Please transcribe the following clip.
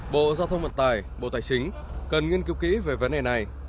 bộ giao thông vận tải bộ tài chính cần nghiên cứu kỹ về vấn đề này